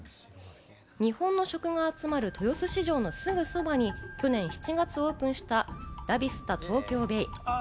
日本の食が集まる豊洲市場のすぐそばに去年７月オープンした、ラビスタ東京ベイ。